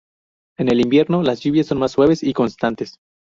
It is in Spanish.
En el invierno las lluvias son más suaves y constantes.